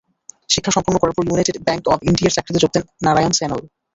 শিক্ষা সম্পন্ন করার পর ইউনাইটেড ব্যাঙ্ক অব ইন্ডিয়ার চাকরিতে যোগ দেন নারায়ন সান্যাল।